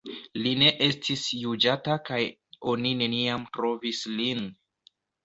Li ne estis juĝata kaj oni neniam trovis lin.